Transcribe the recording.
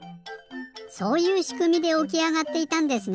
そういうしくみでおきあがっていたんですね！